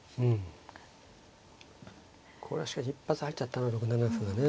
これはしかし一発入っちゃったな６七歩がね。